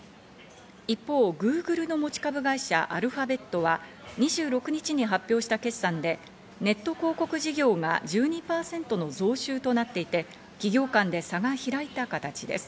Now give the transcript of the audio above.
一方、Ｇｏｏｇｌｅの持ち株会社「アルファベット」は２６日に発表した決算でネット広告事業が１２％の増収となっていて、企業間で差が開いた形です。